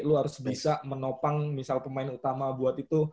lu harus bisa menopang misal pemain utama buat itu